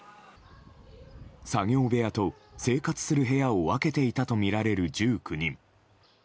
作業部屋と生活する部屋を分けていたとみられる１９人。